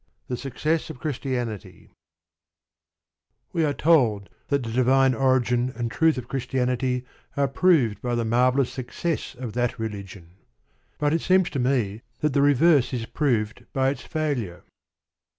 THE SUCCESS OF CHRISTIANITY We are told that the divine origin and truth of Christianity are proved by the marvellous success of that religion. But it seems to me that the reverse is proved by its failure.